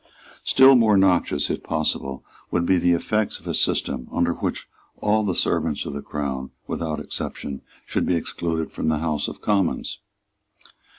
Still more noxious, if possible, would be the effects of a system under which all the servants of the Crown, without exception, should be excluded from the House of Commons.